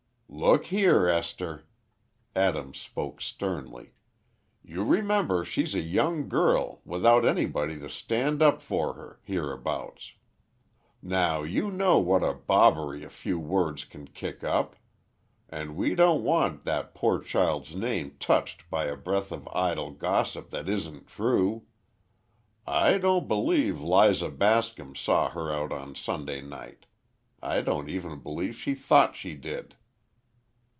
"Look here, Esther," Adams spoke sternly; "you remember she's a young girl, without anybody to stand up for her, hereabouts. Now, you know what a bobbery a few words can kick up. And we don't want that poor child's name touched by a breath of idle gossip that isn't true. I don't believe Liza Bascom saw her out on Sunday night! I don't even believe she thought she did!"